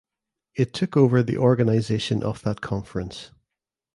It took over the organisation of that conference.